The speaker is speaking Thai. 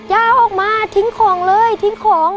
ยาออกมาทิ้งของเลยทิ้งของ